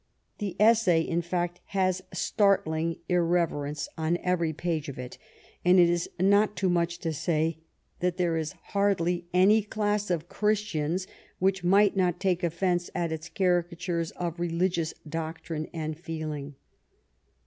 The essay, in fact, has startling irreverence on every page of it, and it is not too much to say that there is hardly any class of Christians which might not take offence at its cari catures of religious doctrine and feeling.